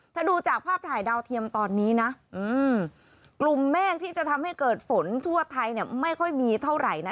ถ้าดูจากภาพถ่ายดาวเทียมตอนนี้นะกลุ่มเมฆที่จะทำให้เกิดฝนทั่วไทยเนี่ยไม่ค่อยมีเท่าไหร่นะ